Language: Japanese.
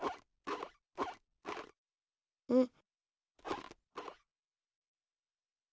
うん？